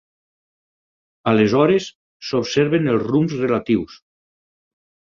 Aleshores s'observen els rumbs relatius.